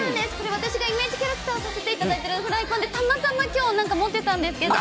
私がイメージキャラクターをやらせていただいているフライパンでたまたま今日持ってたんですけど。